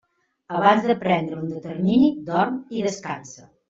Abans de prendre un determini, dorm i descansa.